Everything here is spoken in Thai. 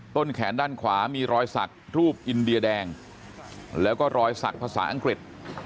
ต้นแขนด้านขวามีรอยสักรูปอินเดียแดงแล้วก็รอยสักภาษาอังกฤษ